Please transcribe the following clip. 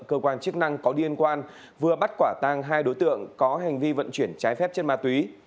cơ quan chức năng có liên quan vừa bắt quả tang hai đối tượng có hành vi vận chuyển trái phép chất ma túy